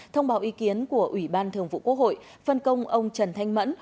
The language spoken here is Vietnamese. thông báo ý kiến của ủy ban thường vụ quốc hội phân công ông trần thanh mẫn